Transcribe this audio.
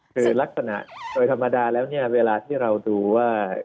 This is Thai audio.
คือลักษณะโดยธรรมดาแล้วเนี่ยเวลาที่เราดูว่า